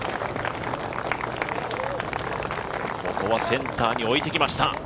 ここはセンターに置いてきました。